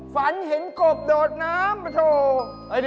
ฝันเห็นกบโดดน้ำปะโถ